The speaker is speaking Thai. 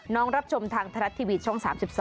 น้องรับชมทางทรัศน์ทีวีช่อง๓๒